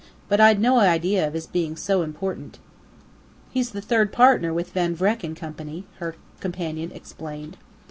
"But I'd no idea of his being so important." "He's third partner with Van Vreck & Co.," her companion explained.